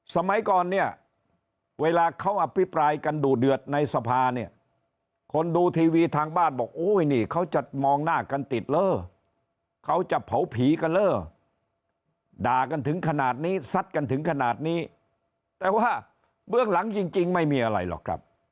สมัยก่อนเนี่ยเวลาเขาอภิปรายกันดูเดือดในสภาเนี่ยคนดูทีวีทางบ้านบอกอุ้ยนี่เขาจะมองหน้ากันติดเล่อเขาจะเผาผีกันเล่อด่ากันถึงขนาดนี้ซัดกันถึงขนาดนี้แต่ว่าเบื้องหลังจริงไม่มีอะไรหรอกครับ